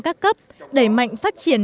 các cấp đẩy mạnh phát triển